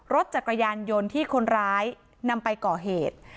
รถจักรยานยนต์ที่คนร้ายนำไปก่อเหตุ